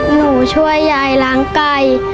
หนูช่วยยายล้างไก่